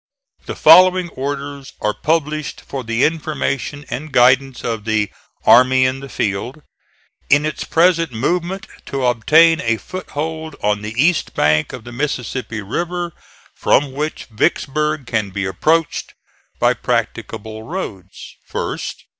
The following orders are published for the information and guidance of the "Army in the Field," in its present movement to obtain a foothold on the east bank of the Mississippi River, from which Vicksburg can be approached by practicable roads. First.